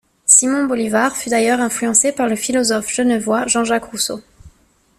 Simón Bolívar fut d'ailleurs influencé par le philosophe genevois Jean-Jacques Rousseau.